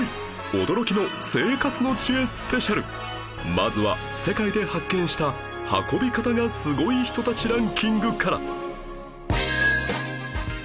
まずは世界で発見した運び方がすごい人たちランキングから